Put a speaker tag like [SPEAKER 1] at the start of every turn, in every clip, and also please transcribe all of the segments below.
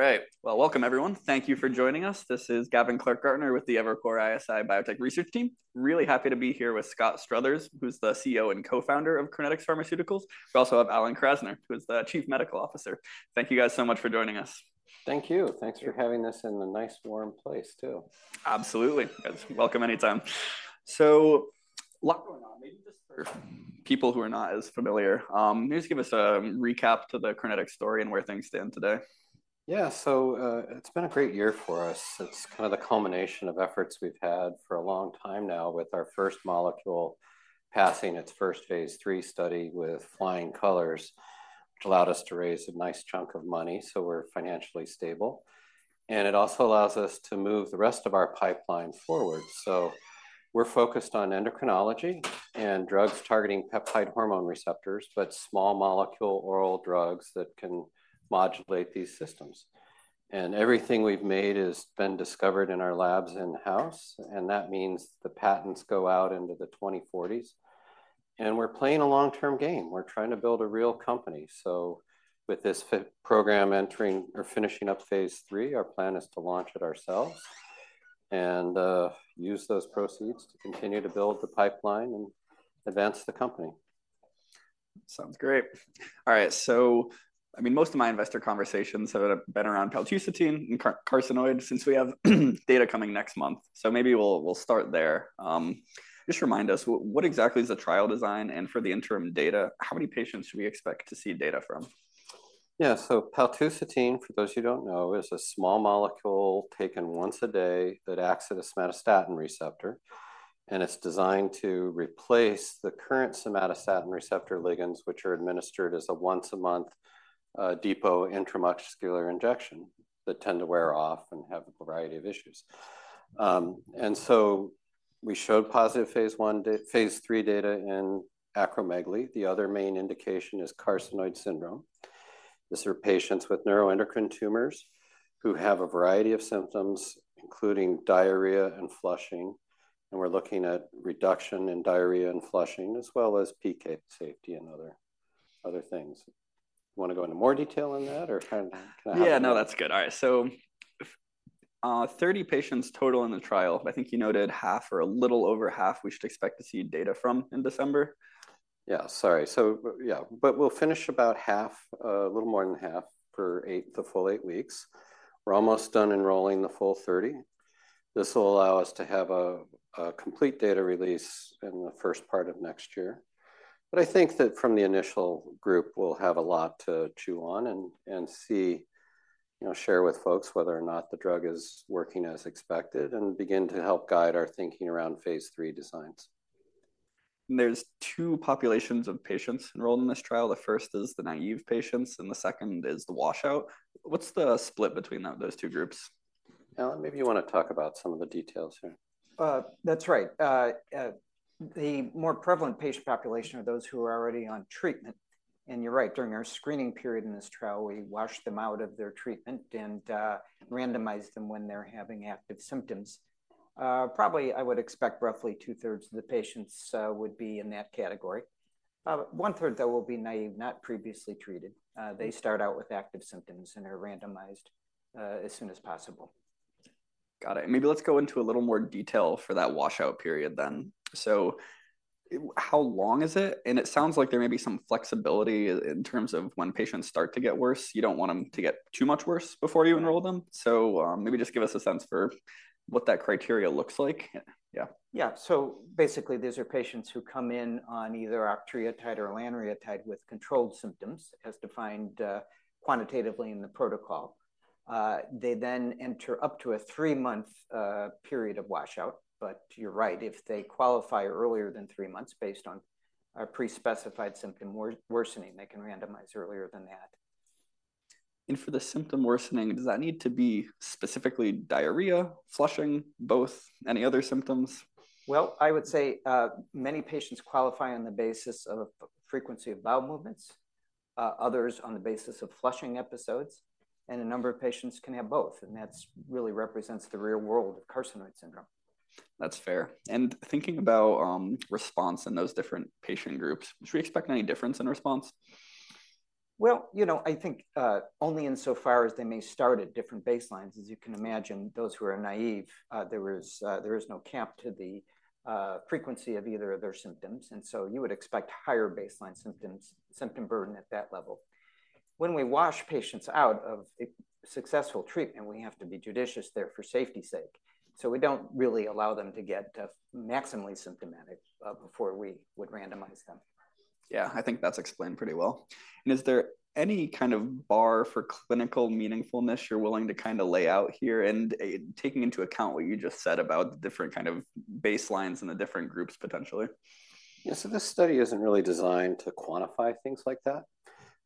[SPEAKER 1] All right. Well, welcome everyone. Thank you for joining us. This is Gavin Clark-Gartner with the Evercore ISI Biotech research team. Really happy to be here with Scott Struthers, who's the CEO and co-founder of Crinetics Pharmaceuticals. We also have Alan Krasner, who is the Chief Medical Officer. Thank you guys so much for joining us.
[SPEAKER 2] Thank you. Thanks for having us in a nice, warm place, too.
[SPEAKER 1] Absolutely. You guys, welcome anytime. So a lot going on, maybe just for people who are not as familiar, maybe just give us a recap of the Crinetics story and where things stand today.
[SPEAKER 2] Yeah, so, it's been a great year for us. It's kind of the culmination of efforts we've had for a long time now, with our first molecule passing its first Phase III study with flying colors, which allowed us to raise a nice chunk of money, so we're financially stable. And it also allows us to move the rest of our pipeline forward. So we're focused on endocrinology and drugs targeting peptide hormone receptors, but small molecule oral drugs that can modulate these systems. And everything we've made has been discovered in our labs in-house, and that means the patents go out into the 2040s, and we're playing a long-term game. We're trying to build a real company. With this program entering or finishing up phase 3, our plan is to launch it ourselves, and use those proceeds to continue to build the pipeline and advance the company.
[SPEAKER 1] Sounds great. All right, so, I mean, most of my investor conversations have been around paltusotine and carcinoid, since we have data coming next month. Maybe we'll start there. Just remind us, what exactly is the trial design? And for the interim data, how many patients should we expect to see data from?
[SPEAKER 2] Yeah, so paltusotine, for those who don't know, is a small molecule taken once a day that acts as a somatostatin receptor, and it's designed to replace the current somatostatin receptor ligands, which are administered as a once-a-month depot intramuscular injection that tend to wear off and have a variety of issues. And so we showed positive Phase III data in acromegaly. The other main indication is carcinoid syndrome. These are patients with neuroendocrine tumors who have a variety of symptoms, including diarrhea and flushing, and we're looking at reduction in diarrhea and flushing, as well as PK safety and other things. You want to go into more detail on that or kind...
[SPEAKER 1] Yeah, no, that's good. All right, so, 30 patients total in the trial. I think you noted half or a little over half, we should expect to see data from in December.
[SPEAKER 2] Yeah, sorry. So, yeah, but we'll finish about half, a little more than half for 8, the full 8 weeks. We're almost done enrolling the full 30. This will allow us to have a complete data release in the first part of next year. But I think that from the initial group, we'll have a lot to chew on and see, you know, share with folks whether or not the drug is working as expected and begin to help guide our thinking around phase 3 designs.
[SPEAKER 1] There's two populations of patients enrolled in this trial. The first is the naive patients, and the second is the washout. What's the split between those two groups?
[SPEAKER 2] Alan, maybe you want to talk about some of the details here.
[SPEAKER 3] That's right. The more prevalent patient population are those who are already on treatment. And you're right, during our screening period in this trial, we washed them out of their treatment and randomized them when they're having active symptoms. Probably, I would expect roughly two-thirds of the patients would be in that category. One-third, though, will be naive, not previously treated. They start out with active symptoms and are randomized as soon as possible.
[SPEAKER 1] Got it. Maybe let's go into a little more detail for that washout period then. How long is it? It sounds like there may be some flexibility in terms of when patients start to get worse. You don't want them to get too much worse before you enroll them. Maybe just give us a sense for what that criteria looks like. Yeah.
[SPEAKER 3] Yeah. So basically, these are patients who come in on either octreotide or lanreotide with controlled symptoms, as defined quantitatively in the protocol. They then enter up to a 3-month period of washout. But you're right, if they qualify earlier than 3 months based on a pre-specified symptom worsening, they can randomize earlier than that.
[SPEAKER 1] For the symptom worsening, does that need to be specifically diarrhea, flushing, both, any other symptoms?
[SPEAKER 3] Well, I would say, many patients qualify on the basis of a frequency of bowel movements, others on the basis of flushing episodes, and a number of patients can have both, and that's really represents the real world of carcinoid syndrome.
[SPEAKER 1] That's fair. And thinking about response in those different patient groups, should we expect any difference in response?
[SPEAKER 3] Well, you know, I think only insofar as they may start at different baselines. As you can imagine, those who are naive, there is no cap to the frequency of either of their symptoms, and so you would expect higher baseline symptoms, symptom burden at that level. When we wash patients out of a successful treatment, we have to be judicious there for safety's sake. So we don't really allow them to get maximally symptomatic before we would randomize them.
[SPEAKER 1] Yeah, I think that's explained pretty well. Is there any kind of bar for clinical meaningfulness you're willing to kinda lay out here, and taking into account what you just said about the different kind of baselines and the different groups potentially?
[SPEAKER 2] Yeah, so this study isn't really designed to quantify things like that.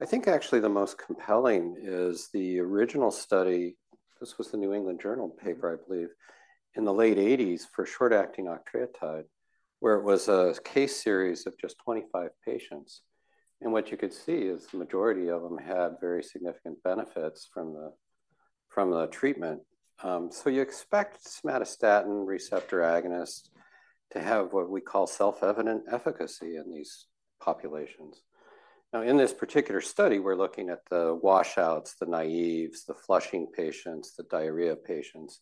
[SPEAKER 2] I think actually the most compelling is the original study, this was the New England Journal paper, I believe, in the late eighties for short-acting octreotide, where it was a case series of just 25 patients. And what you could see is the majority of them had very significant benefits from the, from the treatment. So you expect somatostatin receptor agonist-... to have what we call self-evident efficacy in these populations. Now, in this particular study, we're looking at the washouts, the naives, the flushing patients, the diarrhea patients,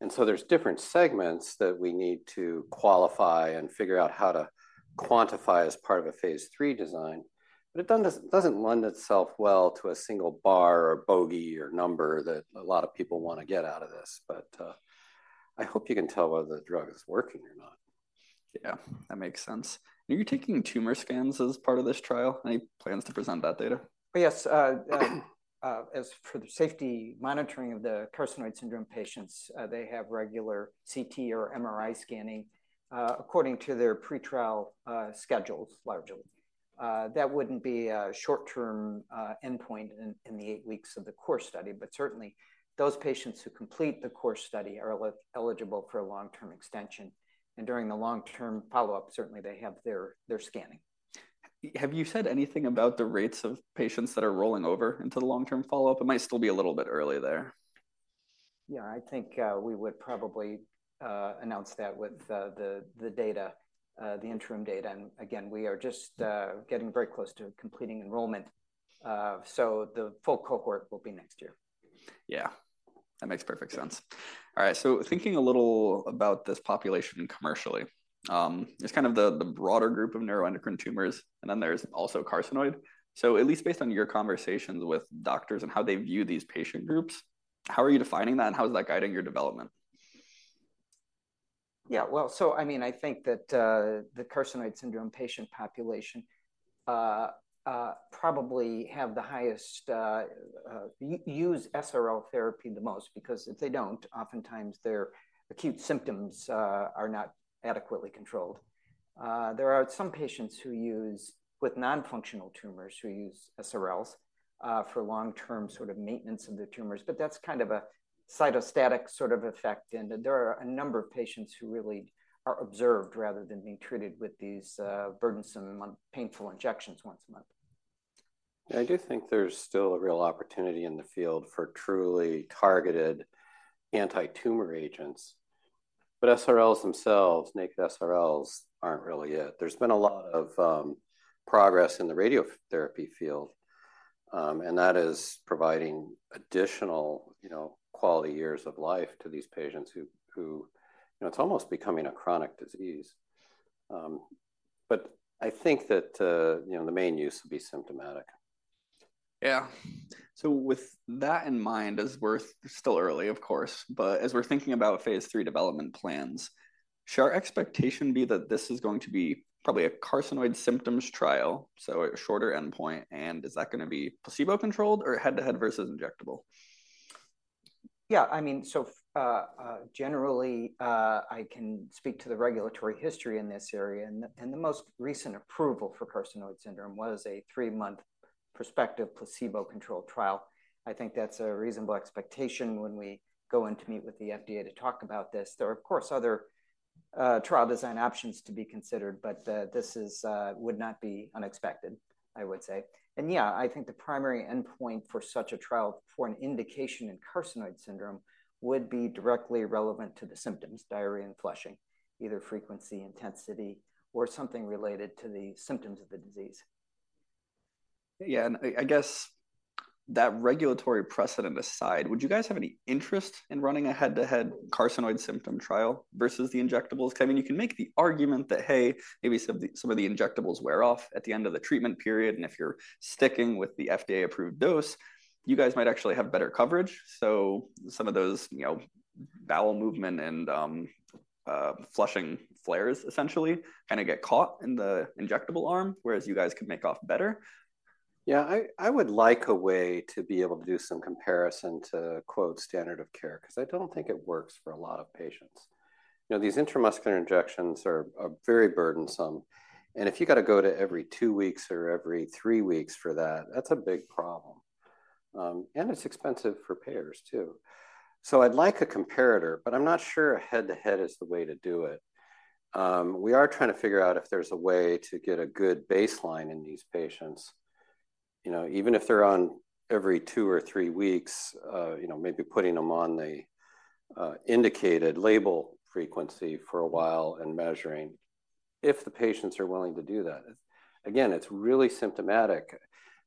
[SPEAKER 2] and so there's different segments that we need to qualify and figure out how to quantify as part of a phase III design. But it doesn't lend itself well to a single bar or bogey or number that a lot of people wanna get out of this, but I hope you can tell whether the drug is working or not.
[SPEAKER 1] Yeah, that makes sense. Are you taking tumor scans as part of this trial? Any plans to present that data?
[SPEAKER 3] Yes, as for the safety monitoring of the carcinoid syndrome patients, they have regular CT or MRI scanning, according to their pre-trial schedules, largely. That wouldn't be a short-term endpoint in the eight weeks of the core study, but certainly, those patients who complete the core study are eligible for a long-term extension, and during the long-term follow-up, certainly they have their scanning.
[SPEAKER 1] Have you said anything about the rates of patients that are rolling over into the long-term follow-up? It might still be a little bit early there.
[SPEAKER 3] Yeah, I think we would probably announce that with the data, the interim data. And again, we are just getting very close to completing enrollment, so the full cohort will be next year.
[SPEAKER 1] Yeah, that makes perfect sense. All right, so thinking a little about this population commercially, it's kind of the broader group of neuroendocrine tumors, and then there's also carcinoid. So at least based on your conversations with doctors and how they view these patient groups, how are you defining that, and how is that guiding your development?
[SPEAKER 3] Yeah, well, so I mean, I think that the carcinoid syndrome patient population probably have the highest use SRL therapy the most, because if they don't, oftentimes their acute symptoms are not adequately controlled. There are some patients who use, with non-functional tumors, who use SRLs for long-term sort of maintenance of their tumors, but that's kind of a cytostatic sort of effect. There are a number of patients who really are observed rather than being treated with these burdensome painful injections once a month.
[SPEAKER 2] Yeah, I do think there's still a real opportunity in the field for truly targeted anti-tumor agents. But SRLs themselves, naked SRLs, aren't really it. There's been a lot of progress in the radiotherapy field, and that is providing additional, you know, quality years of life to these patients who you know, it's almost becoming a chronic disease. But I think that, you know, the main use would be symptomatic.
[SPEAKER 1] Yeah. So with that in mind, as we're still early, of course, but as we're thinking about phase 3 development plans, should our expectation be that this is going to be probably a carcinoid symptoms trial, so a shorter endpoint, and is that gonna be placebo-controlled or head-to-head versus injectable?
[SPEAKER 3] Yeah, I mean, so, generally, I can speak to the regulatory history in this area, and the most recent approval for carcinoid syndrome was a three-month prospective placebo-controlled trial. I think that's a reasonable expectation when we go in to meet with the FDA to talk about this. There are, of course, other trial design options to be considered, but this would not be unexpected, I would say. And yeah, I think the primary endpoint for such a trial for an indication in carcinoid syndrome would be directly relevant to the symptoms, diarrhea and flushing, either frequency, intensity, or something related to the symptoms of the disease.
[SPEAKER 1] Yeah, and I guess that regulatory precedent aside, would you guys have any interest in running a head-to-head carcinoid syndrome trial versus the injectables? I mean, you can make the argument that, hey, maybe some of the injectables wear off at the end of the treatment period, and if you're sticking with the FDA-approved dose, you guys might actually have better coverage. So some of those, you know, bowel movement and flushing flares essentially kinda get caught in the injectable arm, whereas you guys could make out better.
[SPEAKER 2] Yeah, I would like a way to be able to do some comparison to, quote, "standard of care," 'cause I don't think it works for a lot of patients. You know, these intramuscular injections are very burdensome, and if you gotta go to every two weeks or every three weeks for that, that's a big problem. And it's expensive for payers too. So I'd like a comparator, but I'm not sure a head-to-head is the way to do it. We are trying to figure out if there's a way to get a good baseline in these patients. You know, even if they're on every two or three weeks, you know, maybe putting them on the indicated label frequency for a while and measuring, if the patients are willing to do that. Again, it's really symptomatic. I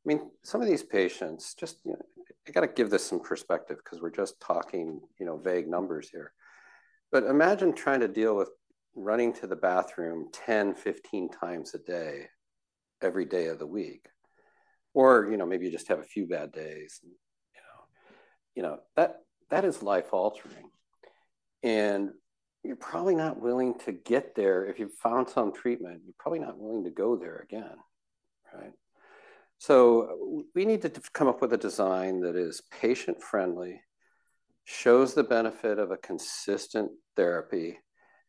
[SPEAKER 2] mean, some of these patients, just, you know, I gotta give this some perspective 'cause we're just talking, you know, vague numbers here. But imagine trying to deal with running to the bathroom 10, 15 times a day, every day of the week, or, you know, maybe you just have a few bad days, you know. You know, that is life-altering, and you're probably not willing to get there... If you've found some treatment, you're probably not willing to go there again, right? So we need to come up with a design that is patient-friendly, shows the benefit of a consistent therapy,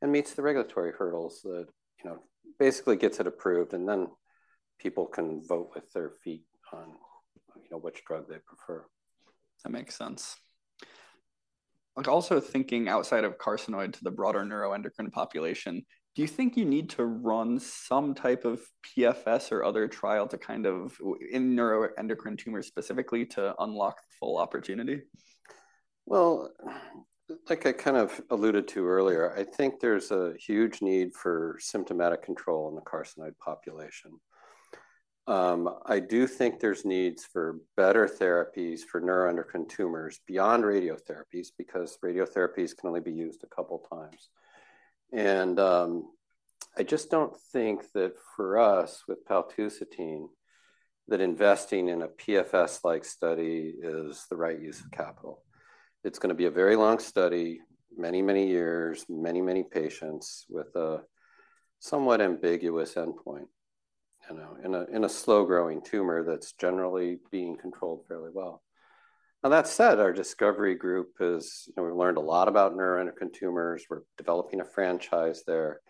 [SPEAKER 2] and meets the regulatory hurdles that, you know, basically gets it approved, and then people can vote with their feet on, you know, which drug they prefer.
[SPEAKER 1] That makes sense. Like, also thinking outside of carcinoid to the broader neuroendocrine population, do you think you need to run some type of PFS or other trial to kind of, in neuroendocrine tumors specifically, to unlock the full opportunity?...
[SPEAKER 2] Well, like I kind of alluded to earlier, I think there's a huge need for symptomatic control in the carcinoid population. I do think there's needs for better therapies for neuroendocrine tumors beyond radiotherapies, because radiotherapies can only be used a couple times. And, I just don't think that for us, with paltusotine, that investing in a PFS-like study is the right use of capital. It's gonna be a very long study, many, many years, many, many patients, with a somewhat ambiguous endpoint, you know, in a, in a slow-growing tumor that's generally being controlled fairly well. Now, that said, our discovery group is. We've learned a lot about neuroendocrine tumors. We're developing a franchise there.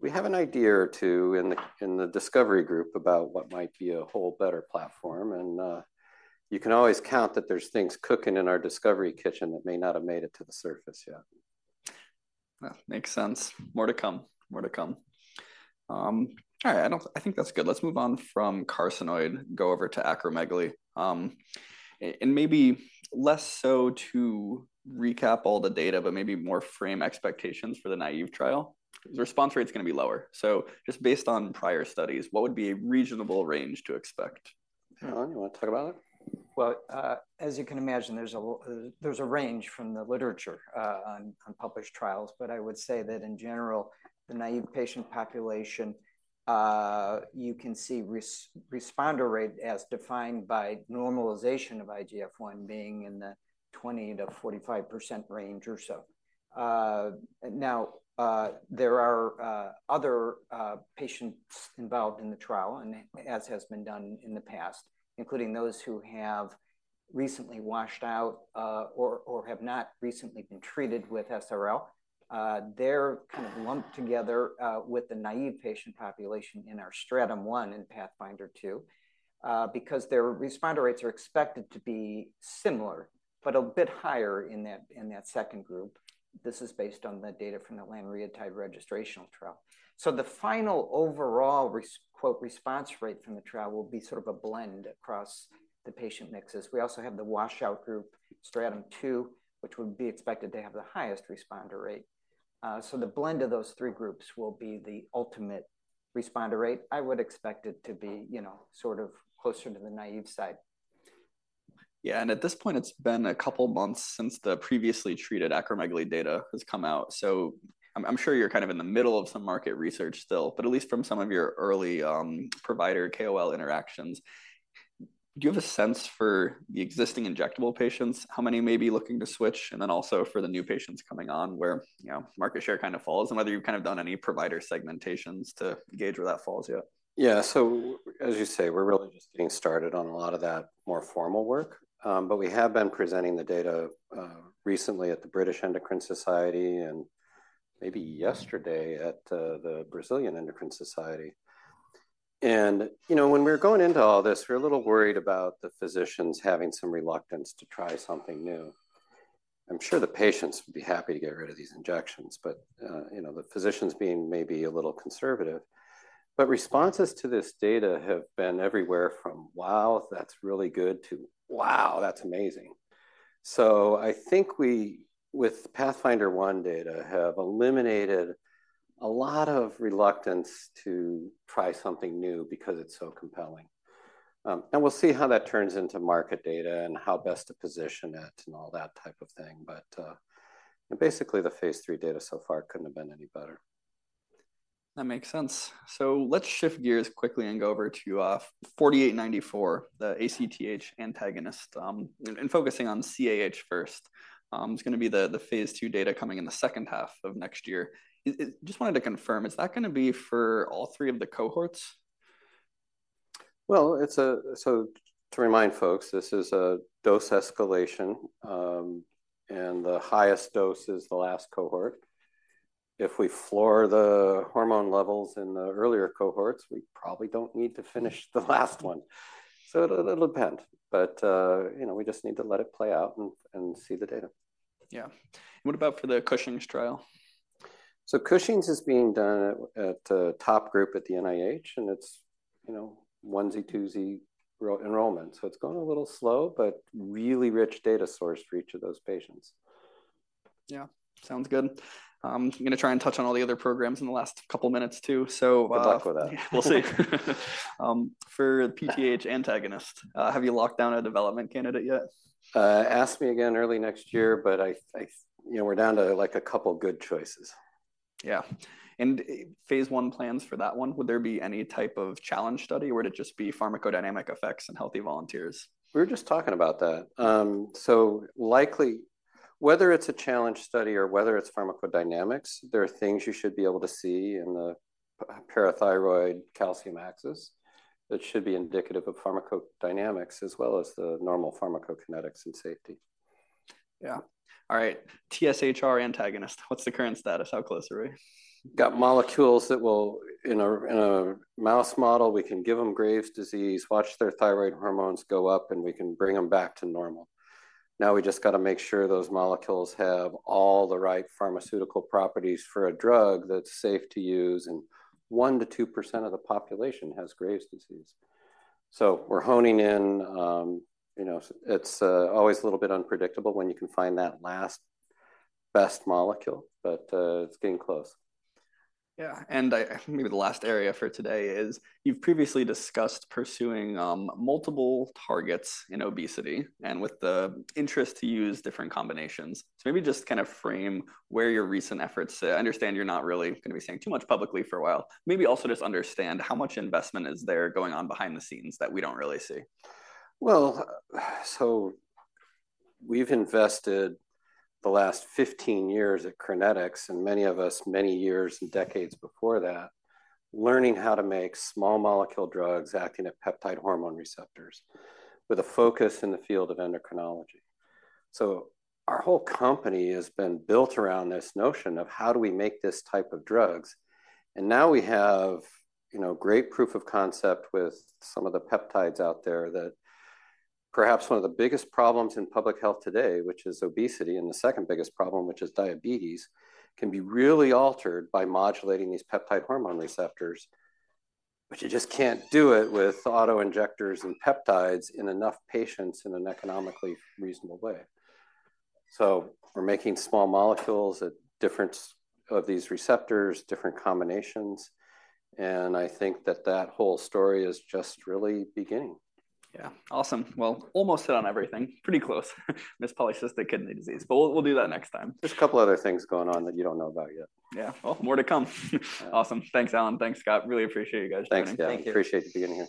[SPEAKER 2] We have an idea or two in the discovery group about what might be a whole better platform, and you can always count that there's things cooking in our discovery kitchen that may not have made it to the surface yet.
[SPEAKER 1] That makes sense. More to come. More to come. All right, I don't, I think that's good. Let's move on from carcinoid, go over to acromegaly. And maybe less so to recap all the data, but maybe more frame expectations for the naive trial. The response rate's gonna be lower, so just based on prior studies, what would be a reasonable range to expect?
[SPEAKER 2] Alan, you wanna talk about it?
[SPEAKER 3] Well, as you can imagine, there's a range from the literature on published trials. But I would say that in general, the naive patient population, you can see responder rate, as defined by normalization of IGF-I, being in the 20%-45% range or so. Now, there are other patients involved in the trial, and as has been done in the past, including those who have recently washed out or have not recently been treated with SRL. They're kind of lumped together with the naive patient population in our Stratum 1 and PATHFNDR-2 because their responder rates are expected to be similar, but a bit higher in that second group. This is based on the data from the lanreotide registrational trial. So the final overall quote, "response rate" from the trial will be sort of a blend across the patient mixes. We also have the washout group, Stratum two, which would be expected to have the highest responder rate. So the blend of those three groups will be the ultimate responder rate. I would expect it to be, you know, sort of closer to the naive side.
[SPEAKER 1] Yeah, and at this point, it's been a couple months since the previously treated acromegaly data has come out, so I'm sure you're kind of in the middle of some market research still. But at least from some of your early provider KOL interactions, do you have a sense for the existing injectable patients, how many may be looking to switch? And then also, for the new patients coming on, where, you know, market share kind of falls, and whether you've kind of done any provider segmentations to gauge where that falls yet?
[SPEAKER 2] Yeah, so as you say, we're really just getting started on a lot of that more formal work. But we have been presenting the data recently at the British Endocrine Society, and maybe yesterday at the Brazilian Endocrine Society. You know, when we were going into all this, we were a little worried about the physicians having some reluctance to try something new. I'm sure the patients would be happy to get rid of these injections, but you know, the physicians being maybe a little conservative. But responses to this data have been everywhere from, "Wow, that's really good," to, "Wow, that's amazing!" So I think we, with PATHFNDR-1 data, have eliminated a lot of reluctance to try something new because it's so compelling. We'll see how that turns into market data and how best to position it and all that type of thing, but, basically, the Phase III data so far couldn't have been any better.
[SPEAKER 1] That makes sense. So let's shift gears quickly and go over to 4894, the ACTH antagonist, and focusing on CAH first. It's gonna be the phase II data coming in the second half of next year. I just wanted to confirm, is that gonna be for all three of the cohorts?
[SPEAKER 2] Well, so to remind folks, this is a dose escalation, and the highest dose is the last cohort. If we floor the hormone levels in the earlier cohorts, we probably don't need to finish the last one. So it'll depend. But, you know, we just need to let it play out and see the data.
[SPEAKER 1] Yeah. What about for the Cushing's trial?
[SPEAKER 2] So Cushing's is being done at top group at the NIH, and it's, you know, onesie-twosie enrollment, so it's going a little slow, but really rich data source for each of those patients.
[SPEAKER 1] Yeah. Sounds good. I'm gonna try and touch on all the other programs in the last couple minutes too, so,
[SPEAKER 2] Good luck with that.
[SPEAKER 1] We'll see. For the PTH antagonist, have you locked down a development candidate yet?
[SPEAKER 2] Ask me again early next year, but you know, we're down to, like, a couple good choices.
[SPEAKER 1] Yeah. Phase 1 plans for that one, would there be any type of challenge study, or would it just be pharmacodynamic effects in healthy volunteers?
[SPEAKER 2] We were just talking about that. So likely, whether it's a challenge study or whether it's pharmacodynamics, there are things you should be able to see in the parathyroid calcium axis that should be indicative of pharmacodynamics as well as the normal pharmacokinetics and safety.
[SPEAKER 1] Yeah. All right, TSHR antagonist, what's the current status? How close are we?
[SPEAKER 2] Got molecules that will... In a mouse model, we can give them Graves' disease, watch their thyroid hormones go up, and we can bring them back to normal. Now, we just gotta make sure those molecules have all the right pharmaceutical properties for a drug that's safe to use, and 1%-2% of the population has Graves' disease. So we're honing in, you know, it's always a little bit unpredictable when you can find that last best molecule, but it's getting close.
[SPEAKER 1] Yeah, and maybe the last area for today is, you've previously discussed pursuing multiple targets in obesity and with the interest to use different combinations. So maybe just kind of frame where your recent efforts, I understand you're not really gonna be saying too much publicly for a while. Maybe also just understand, how much investment is there going on behind the scenes that we don't really see?
[SPEAKER 2] Well, so we've invested the last 15 years at Crinetics, and many of us, many years and decades before that, learning how to make small molecule drugs acting at peptide hormone receptors, with a focus in the field of endocrinology. So our whole company has been built around this notion of: how do we make this type of drugs? And now we have, you know, great proof of concept with some of the peptides out there, that perhaps one of the biggest problems in public health today, which is obesity, and the second biggest problem, which is diabetes, can be really altered by modulating these peptide hormone receptors. But you just can't do it with auto-injectors and peptides in enough patients in an economically reasonable way. So we're making small molecules at different of these receptors, different combinations, and I think that that whole story is just really beginning.
[SPEAKER 1] Yeah. Awesome. Well, almost hit on everything. Pretty close. Missed polycystic kidney disease, but we'll, we'll do that next time.
[SPEAKER 2] There's a couple other things going on that you don't know about yet.
[SPEAKER 1] Yeah. Well, more to come. Awesome. Thanks, Alan, thanks, Scott. Really appreciate you guys joining.
[SPEAKER 2] Thanks.
[SPEAKER 3] Thank you.
[SPEAKER 2] Appreciate you being here.